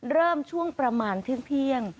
เริ่มช่วงประมาณเที่ยง